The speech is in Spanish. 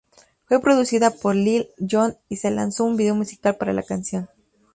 Fue producida por Lil Jon y se lanzó un video musical para la canción.